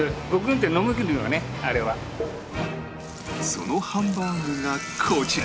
そのハンバーグがこちら！